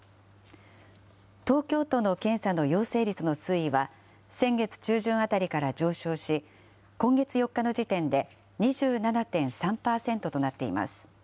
東京都の検査の陽性率の推移は、先月中旬あたりから上昇し、今月４日の時点で２７．３％となっています。